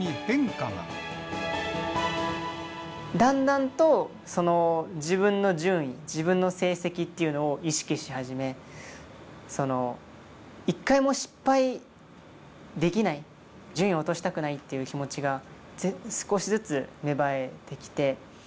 だんだんと、自分の順位、自分の成績っていうのを意識し始め、一回も失敗できない、順位を落としたくないという気持ちが少しずつ芽生えてきて。